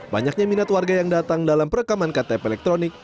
banyaknya minat warga yang datang dalam perekaman ktp elektronik